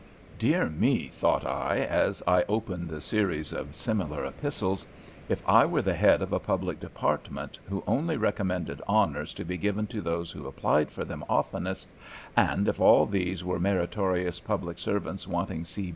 "Dear me," thought I, as I opened a series of similar epistles, "if I were the head of a public department, who only recommended honours to be given to those who applied for them oftenest, and if all these were meritorious public servants wanting C.